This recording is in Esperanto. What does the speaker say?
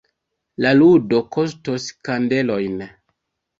La ludo kostos kandelojn.